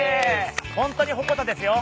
ホントに鉾田ですよ。